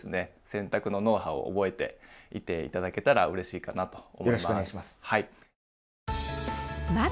洗濯のノウハウを覚えていて頂けたらうれしいかなと思います。